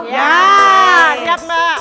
ya siap mbak